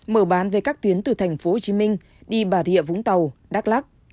mở bán về các tuyến từ tp hcm đi bà rịa vũng tàu đắk lắc